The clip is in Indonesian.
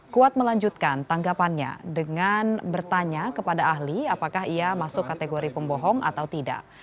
kuat melanjutkan tanggapannya dengan bertanya kepada ahli apakah ia masuk kategori pembohong atau tidak